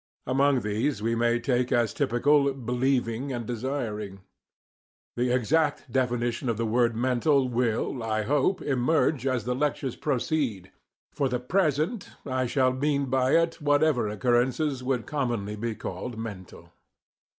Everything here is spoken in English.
Among these we may take as typical BELIEVING and DESIRING. The exact definition of the word "mental" will, I hope, emerge as the lectures proceed; for the present, I shall mean by it whatever occurrences would commonly be called mental.